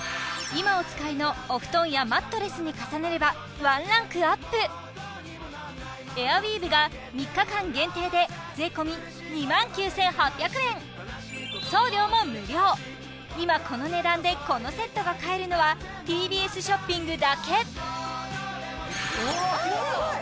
今お使いのお布団やマットレスに重ねればワンランクアップエアウィーヴが３日間限定で今この値段でこのセットが買えるのはＴＢＳショッピングだけ！